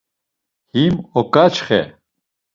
Him oǩaçxe.